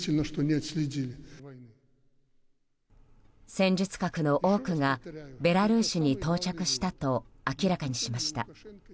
戦術核の多くがベラルーシに到着したと明らかにしました。